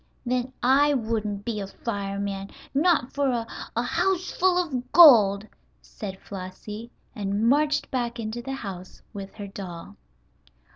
"Then I wouldn't be a fireman, not for a a house full of gold!" said Flossie, and marched back into the house with her doll.